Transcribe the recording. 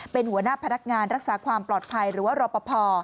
เป็นหัวหน้าพนักงานรักษาความปลอดภัยหรือว่ารอปภ